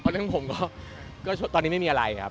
เรื่องผมก็ตอนนี้ไม่มีอะไรครับ